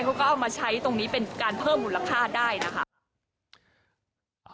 เขาก็เอามาใช้ตรงนี้เป็นการเพิ่มมูลค่าได้นะคะ